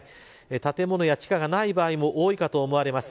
建物や地下がない場合も多いと思います。